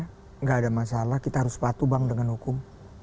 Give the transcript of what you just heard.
tidak ada masalah kita harus patuh bang dengan hukum